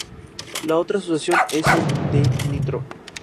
La otra Asociación es el de Ntro.